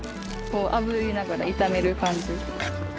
あぶりながら炒める感じ。